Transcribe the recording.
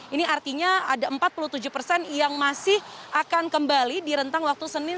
ini artinya ada empat puluh tujuh persen yang masih akan kembali di rentang waktu senin